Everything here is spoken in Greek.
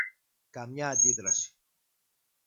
Καμιά αντίδραση